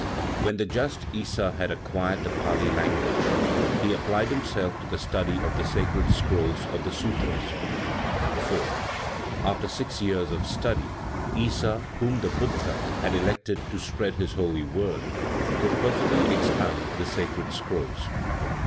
When the just Issa had acquired the Pali language, he applied himself to the study of the sacred scrolls of the Sutras. 4. After six years of study, Issa, whom the Buddha had elected to spread his holy word, could perfectly expound the sacred scrolls.